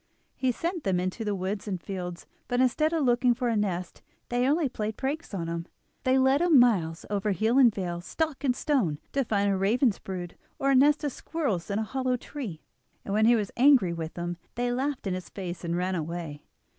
He sent them into the woods and fields, but instead of looking for a nest they only played pranks on him. They led him miles over hill and vale, stock and stone, to find a raven's brood, or a nest of squirrels in a hollow tree, and when he was angry with them they laughed in his face and ran away.